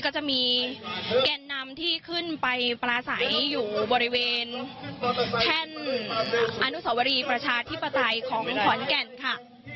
ก็จะมีแก่นนำที่ขึ้นไปปลาใสอยู่บริเวณแท่นอนุสวรีประชาธิปไตยของขอนแก่นค่ะ